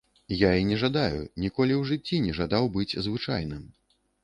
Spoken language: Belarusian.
Я і не жадаю, ніколі ў жыцці не жадаў быць звычайным.